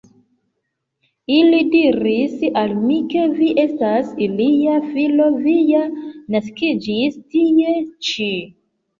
Ili diris al mi, ke vi estas ilia filo, vi ja naskiĝis tie ĉi.